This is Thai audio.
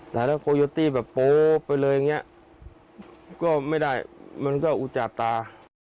แต่ถ้าโคโยตี้แบบโป๊ไปเลยอย่างนี้ก็ไม่ได้มันก็อุจจาตา